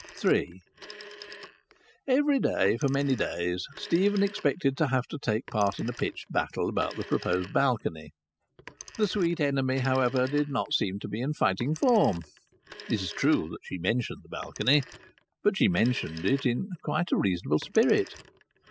III Every day for many days Stephen expected to have to take part in a pitched battle about the proposed balcony. The sweet enemy, however, did not seem to be in fighting form. It is true that she mentioned the balcony, but she mentioned it in quite a reasonable spirit.